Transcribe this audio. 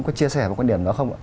có chia sẻ một quan điểm đó không ạ